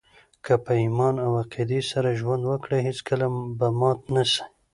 که په ایمان او عقیدې سره ژوند وکړئ، هېڅکله به مات نه سئ!